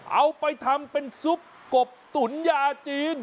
เอาไปทำเป็นซุปกบตุ๋นยาจีน